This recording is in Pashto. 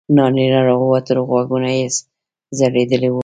نارینه راووت غوږونه یې ځړېدلي وو.